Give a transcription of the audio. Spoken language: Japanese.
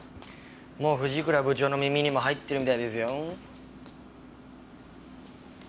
もう藤倉部長の耳にも入ってるみたいですよ。